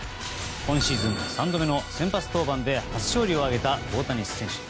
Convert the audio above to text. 今シーズン３度目の先発登板で初勝利を挙げた大谷選手。